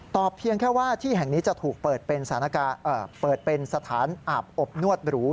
ตอบเพียงแค่ว่าที่แห่งนี้จะถูกเปิดเป็นสถานอาบอบนวดหรู